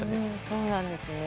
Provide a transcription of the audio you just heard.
そうなんですね。